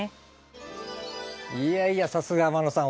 いやいやさすが天野さん